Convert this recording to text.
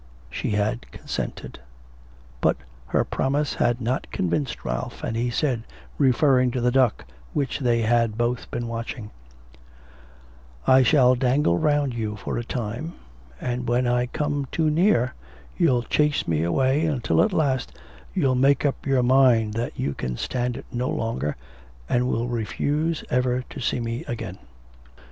She had consented. But her promise had not convinced Ralph, and he said, referring to the duck which they had both been watching: 'I shall dangle round you for a time, and when I come too near you'll chase me away until at last you'll make up your mind that you can stand it no longer, and will refuse ever to see me again.'